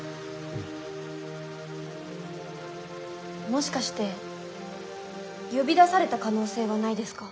もしかして呼び出された可能性はないですか？